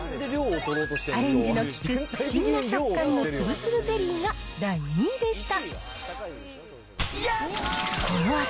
アレンジの利く、不思議な食感のつぶつぶゼリーが第２位でした。